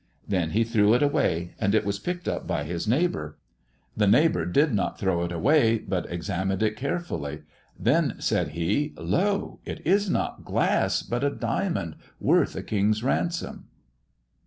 Then he threw it away, and it was picked up by his neighbour. The neighboiu* did not throw it away, but examined it carefully. Then said he, * Lo ! it is not glass, but a diamond worth a king's ransom.'